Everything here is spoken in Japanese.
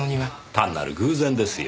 単なる偶然ですよ。